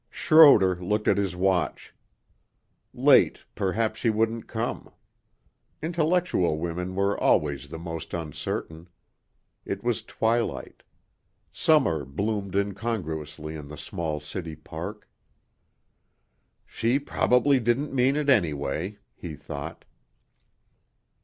21 Schroder looked at his watch. Late, perhaps she wouldn't come. Intellectual women were always the most uncertain. It was twilight. Summer bloomed incongruously in the small city park. "She probably didn't mean it, anyway," he thought.